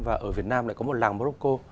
và ở việt nam lại có một làng morocco